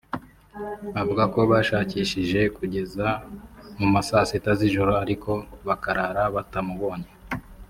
avuga ko bashakishije kugeza mu ma saa sita z’ijoro ariko bakarara batamubonye